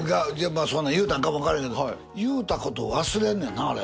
まあそんなん言うたんかもわからへんけど言うたことを忘れんねんなあれ。